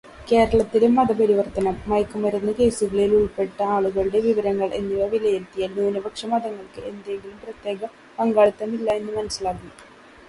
കേരളത്തിലെ മതപരിവർത്തനം, മയക്കുമരുന്ന് കേസുകളിൽ ഉൾപ്പെട്ട ആളുകളുടെ വിവരങ്ങൾ എന്നിവ വിലയിരുത്തിയാൽ ന്യൂനപക്ഷമതങ്ങൾക്ക് എന്തെങ്കിലും പ്രത്യേകപങ്കാളിത്തമില്ല എന്ന് മനസ്സിലാകും.